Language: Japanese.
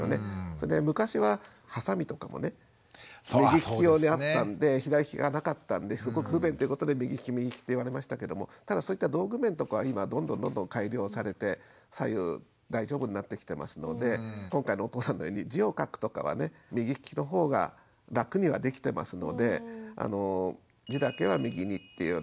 それで昔ははさみとかもね右利き用にあったんで左利きがなかったんですごく不便ってことで右利き右利きって言われましたけどもただそういった道具面とかは今どんどんどんどん改良されて左右大丈夫になってきてますので今回のお父さんのように字を書くとかはね右利きの方が楽にはできてますので字だけは右にというような形。